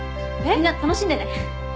みんな楽しんでね。